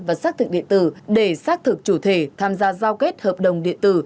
và xác thực địa tử để xác thực chủ thể tham gia giao kết hợp đồng địa tử